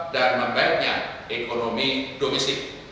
dan membaiknya ekonomi domisik